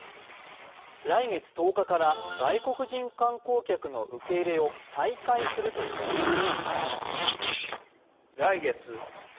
来月１０日から外国人観光客の受け入れを再開するということです。